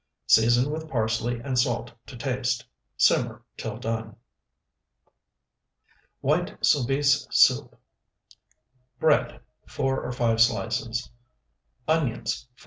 Season with parsley and salt to taste. Simmer till done. WHITE SOUBISE SOUP Bread, 4 or 5 slices. Onions, 4.